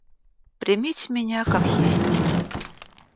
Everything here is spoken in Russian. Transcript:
Примите меня, как есть.